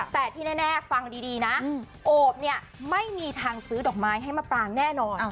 แต่ที่แน่ฟังดีนะโอบเนี่ยไม่มีทางซื้อดอกไม้ให้มะปรางแน่นอน